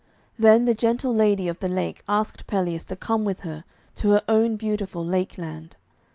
Then the gentle Lady of the Lake asked Pelleas to come with her to her own beautiful Lake land.